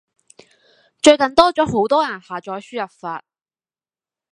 最近多咗好多人下載輸入法